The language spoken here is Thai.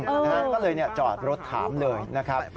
ก็เลยจอดรถถามเลยนะครับ